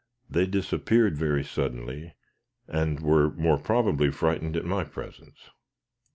They disappeared very suddenly and were, more probably, frightened at my presence.